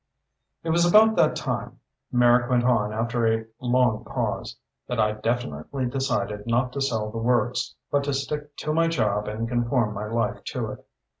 V "It was about that time (Merrick went on after a long pause) that I definitely decided not to sell the Works, but to stick to my job and conform my life to it.